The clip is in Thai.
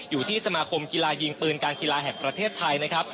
อยู่ที่สมาคมกีฬายิงปืนการกีฬาแห่งประเทศไทยนะครับ